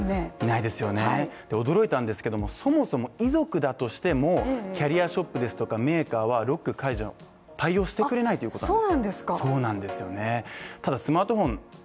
驚いたんですけどもそもそも遺族だとしても、キャリアショップですとかメーカーはロック解除対応してくれないというそうなんです。